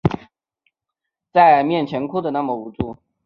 在面前哭的那么无助